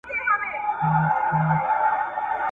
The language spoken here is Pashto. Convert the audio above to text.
که یو څوک ووایي چي زه ځان پیژنم نو تېروځي.